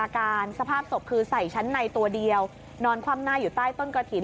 สภาพศพคือใส่ชั้นในตัวเดียวนอนคว่ำหน้าอยู่ใต้ต้นกระถิ่น